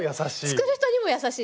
作る人にも優しい。